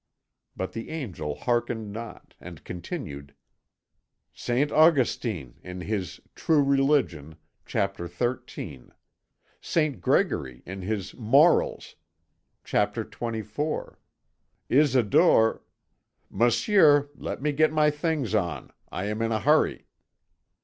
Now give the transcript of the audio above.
But the Angel hearkened not, and continued: "Saint Augustine, in his True Religion, Chapter XIII; Saint Gregory, in his Morals, Chapter XXIV; Isidore " "Monsieur, let me get my things on; I am in a hurry."